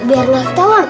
biar lah ketahuan